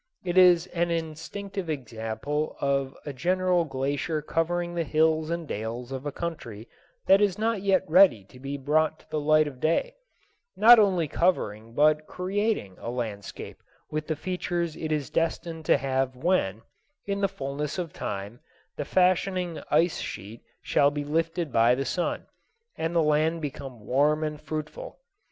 It is an instructive example of a general glacier covering the hills and dales of a country that is not yet ready to be brought to the light of day—not only covering but creating a landscape with the features it is destined to have when, in the fullness of time, the fashioning ice sheet shall be lifted by the sun, and the land become warm and fruitful.